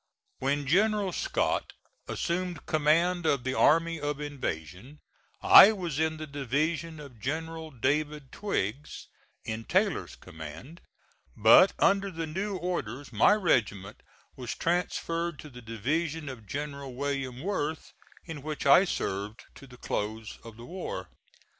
When General Scott assumed command of the army of invasion, I was in the division of General David Twiggs, in Taylor's command; but under the new orders my regiment was transferred to the division of General William Worth, in which I served to the close of the war.